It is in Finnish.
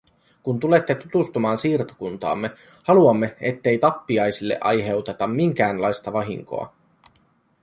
Kun tulette tutustumaan siirtokuntaamme, haluamme, ettei tappiaisille aiheuteta minkäänlaista vahinkoa.